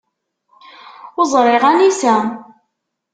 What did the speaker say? Ur ẓriɣ anisa.